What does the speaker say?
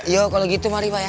ya kalau gitu mari pak ya